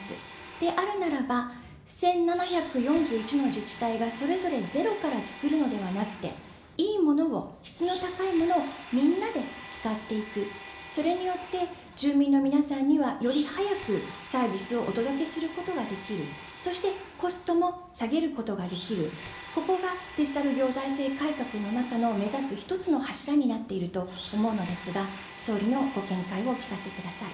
であるならば、１７４１の自治体がそれぞれゼロから作るのではなくて、いいものを、質の高いものをみんなで使っていく、それによって住民の皆さんには、より早くサービスをお届けすることができる、そしてコストも下げることができる、ここがデジタル行財政改革の中の目指す一つの柱になっていると思うのですが、総理のご見解をお聞かせください。